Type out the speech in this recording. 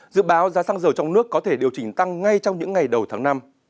dự báo giá xăng dầu trong nước có thể điều chỉnh tăng ngay trong những ngày đầu tháng năm